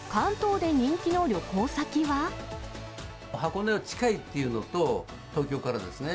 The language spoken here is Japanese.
箱根は近いっていうのと、東京からですね。